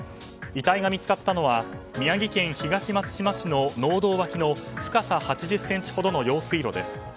遺体が見つかったのは宮城県東松島市の農道脇の深さ８０ｃｍほどの用水路です。